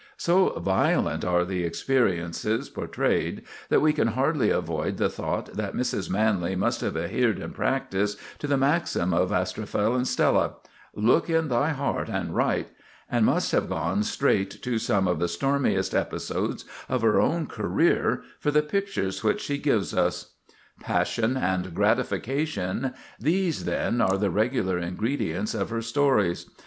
So violent are the experiences portrayed that we can hardly avoid the thought that Mrs. Manley must have adhered in practice to the maxim of "Astrophel and Stella"—"Look in thy heart, and write,"—and must have gone straight to some of the stormiest episodes of her own career for the pictures which she gives us. Passion and gratification—these, then, are the regular ingredients of her stories.